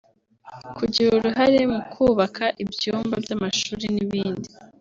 kugira uruhare mu kubaka ibyumba by’amashuri n’ibindi